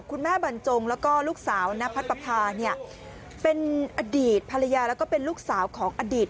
บรรจงแล้วก็ลูกสาวนพัดปภาเนี่ยเป็นอดีตภรรยาแล้วก็เป็นลูกสาวของอดีต